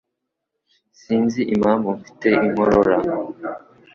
Sinzi impamvu mfite inkorora.